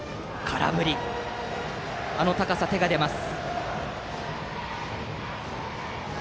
あの高さに手が出ます。